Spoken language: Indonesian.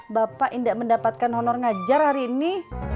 bapak tidak mendapatkan honor ngajar hari ini